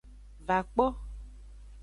Va kpo.